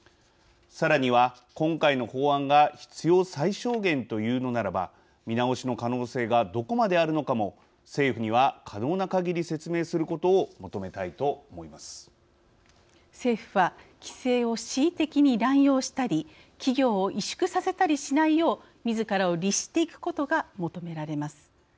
さらには今回の法案が必要最小限というのならば見直しの可能性がどこまであるのかも政府には可能な限り説明することを政府は、規制を恣意的に乱用したり企業を萎縮させたりしないようみずからを律していくことが求められます。